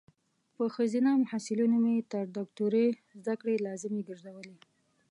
په خځینه محصلینو مې تر دوکتوری ذدکړي لازمي ګرزولي